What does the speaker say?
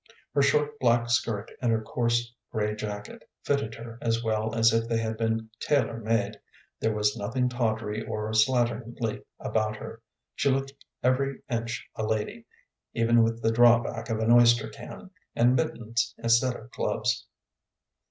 Her short black skirt and her coarse gray jacket fitted her as well as if they had been tailor made. There was nothing tawdry or slatternly about her. She looked every inch a lady, even with the drawback of an oyster can, and mittens instead of gloves.